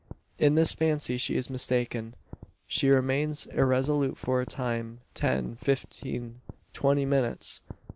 In this fancy she is mistaken. She remains irresolute for a time ten fifteen twenty minutes.